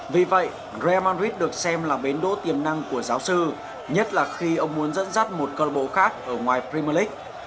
vì vậy raymond ruiz được xem là bến đỗ tiềm năng của giáo sư nhất là khi ông muốn dẫn dắt một cơ bộ khác ở ngoài premier league